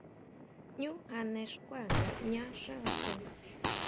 Ñu jane xkuá nga ñaʼán xábasen.